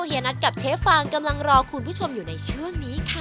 เยนัทกับเชฟฟางกำลังรอคุณผู้ชมอยู่ในช่วงนี้ค่ะ